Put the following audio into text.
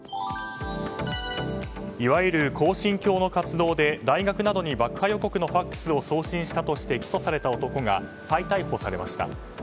いわゆる恒心教の活動で大学などに爆破予告のＦＡＸを送信したとして起訴された男が再逮捕されました。